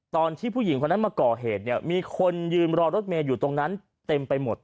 ตอนที่ผู้หญิงคนนั้นมาก่อเหตุเนี่ยมีคนยืนรอรถเมย์อยู่ตรงนั้นเต็มไปหมด